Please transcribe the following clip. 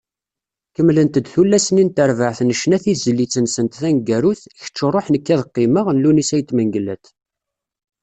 Kemmlent-d tullas-nni n terbaɛt n ccna tizlit-nsent taneggarut “Kečč ruḥ, nekk ad qqimeɣ” n Lewnis At Mengellat.